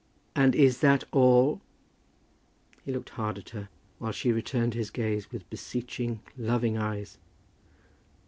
"And is that all?" He looked hard at her, while she returned his gaze with beseeching loving eyes.